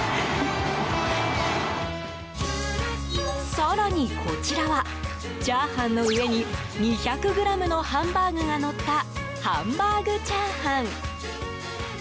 更にこちらはチャーハンの上に２００ｇのハンバーグがのったハンバーグチャーハン。